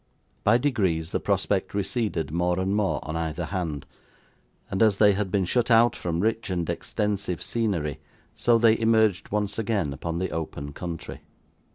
By degrees, the prospect receded more and more on either hand, and as they had been shut out from rich and extensive scenery, so they emerged once again upon the open country.